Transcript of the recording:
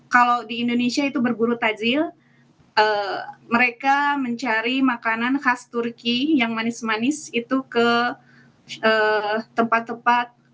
kalau di indonesia itu berburu tajil mereka mencari makanan khas turki yang manis manis itu ke tempat tempat